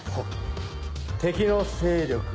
敵の勢力